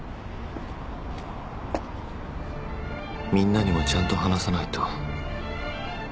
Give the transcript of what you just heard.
みんなにもちゃんと話さないと。